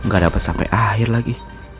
gak dapet sampe akhir lagi